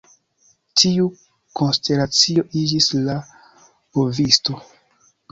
Tiu konstelacio iĝis la Bovisto.